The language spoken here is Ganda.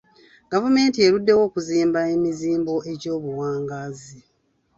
Gavumenti eruddewo okuzimba emizimbo egy'obuwangaazi.